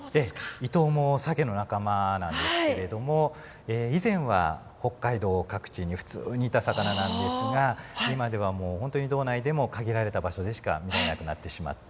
イトウもサケの仲間なんですけれども以前は北海道各地に普通にいた魚なんですが今ではもうほんとに道内でも限られた場所でしか見れなくなってしまった。